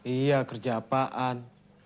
iya kerja apaan